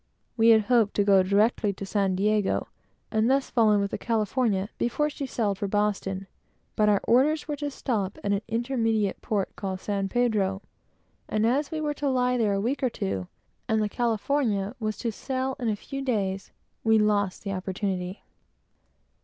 We had hoped to go directly to San Diego, and thus fall in with the California before she sailed for Boston; but our orders were to stop at an intermediate port called San Pedro, and as we were to lie there a week or two, and the California was to sail in a few days, we lost the opportunity.